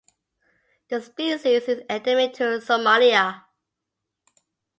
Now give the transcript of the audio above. The species is endemic to Somalia.